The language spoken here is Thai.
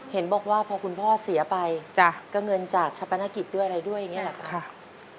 เห็นบอกว่าพอคุณพ่อเสียไปก็เงินจากชะปนกิจด้วยอะไรด้วยอย่างนี้แหละครับ